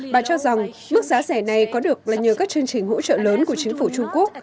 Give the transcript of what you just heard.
bà cho rằng mức giá rẻ này có được là nhờ các chương trình hỗ trợ lớn của chính phủ trung quốc